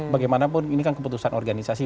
bagaimanapun ini kan keputusan organisasi